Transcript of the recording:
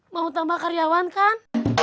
mau tambah karyawan kan